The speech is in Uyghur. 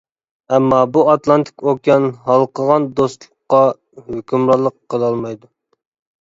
ئەمما بۇ ئاتلانتىك ئوكيان ھالقىغان دوستلۇققا ھۆكۈمرانلىق قىلالمايدۇ.